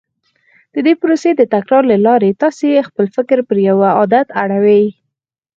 د دې پروسې د تکرار له لارې تاسې خپل فکر پر يوه عادت اړوئ.